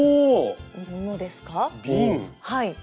はい。